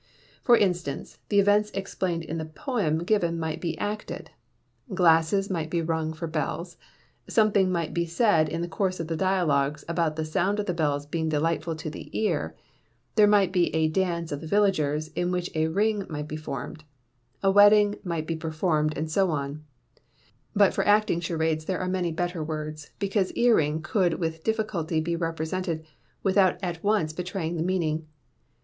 For instance, the events explained in the poem given might be acted glasses might be rung for bells something might be said in the course of the dialogues about the sound of the bells being delightful to the ear; there might be a dance of the villagers, in which a ring might be formed; a wedding might be performed, and so on: but for acting charades there are many better words, because Ear ring could with difficulty be represented without at once betraying the meaning.